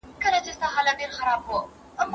¬ پنډ ئې مه گوره ايمان ئې گوره.